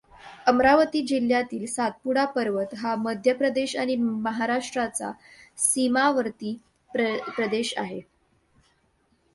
अमरावती जिल्ह्यातील सातपुडा पर्वत हा मध्यप्रदेश आणि महाराष्ट्राचा सीमावर्ती प्रदेश आहे.